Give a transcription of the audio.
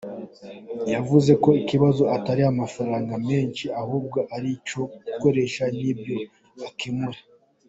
Yavuze ko ikibazo atari amafaranga menshi ahubwo ari icyo akoreshwa n’ibyo akemura.